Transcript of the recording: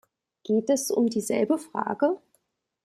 Geht es um dieselbe Frage?